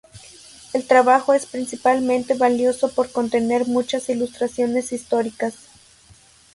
El trabajo es principalmente valioso por contener muchas ilustraciones históricas.